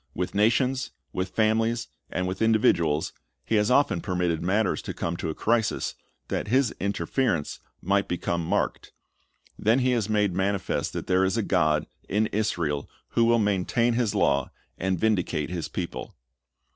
With nations, with families, and with indi viduals, He has often permitted matters to come to a crisis, that His interference might become marked. Then He has made manifest that there is a God in Israel who will maintain His law and vindicate His people.